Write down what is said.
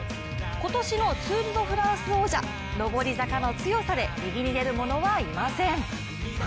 今年のツール・ド・フランス王者上り坂の強さで右に出る者はいません。